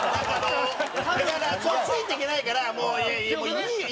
だから、ついていけないからもう、いいよ。